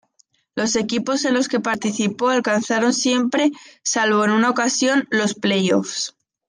Los equipos en los que participó alcanzaron siempre, salvo en una ocasión, los play-offs.